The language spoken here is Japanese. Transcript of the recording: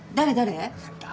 誰？